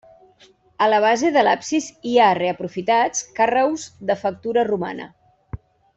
A la base de l'absis hi ha, reaprofitats, carreus de factura romana.